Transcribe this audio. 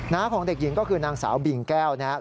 ของเด็กหญิงก็คือนางสาวบิ่งแก้วนะครับ